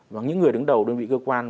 và những người đứng đầu đơn vị cơ quan